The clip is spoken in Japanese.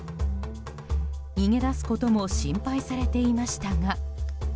逃げ出すことも心配されていましたが。